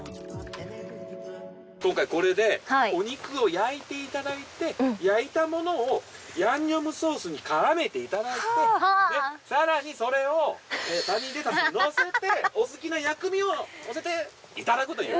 今回これでお肉を焼いて頂いて焼いたものをヤンニョムソースに絡めて頂いてさらにそれをサニーレタスにのせてお好きな薬味をのせて頂くという。